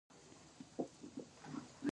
یو تومان د لسو ریالو برابر دی.